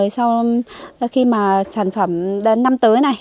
sau khi mà sản phẩm đến năm tới này